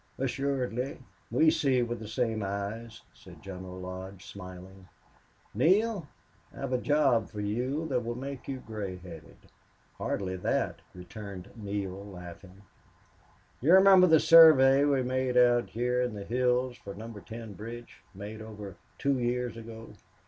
"Assuredly. We see with the same eyes," said General Lodge, smiling. "Neale, I've a job for you that will make you gray headed." "Hardly that," returned Neale, laughing. "Do you remember the survey we made out here in the hills for Number Ten Bridge? Made over two years ago."